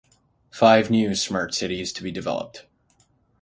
Five new smart cities to be developed.